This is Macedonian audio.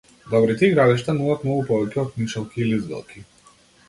Добрите игралишта нудат многу повеќе од нишалки и лизгалки.